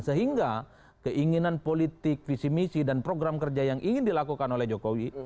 sehingga keinginan politik visi misi dan program kerja yang ingin dilakukan oleh jokowi